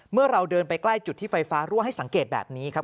เราเดินไปใกล้จุดที่ไฟฟ้ารั่วให้สังเกตแบบนี้ครับ